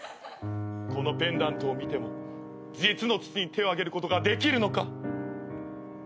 このペンダントを見ても実の父に手を上げることができるのか？